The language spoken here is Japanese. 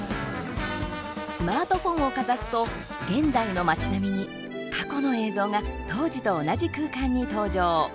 スマートフォンをかざすと現在の町並みに過去の映像が当時と同じ空間に登場。